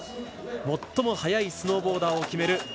最も速いスノーボーダーを決める